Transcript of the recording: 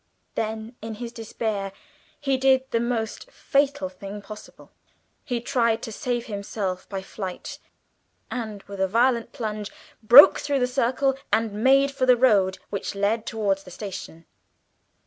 Then in his despair he did the most fatal thing possible. He tried to save himself by flight, and with a violent plunge broke through the circle and made for the road which led towards the station.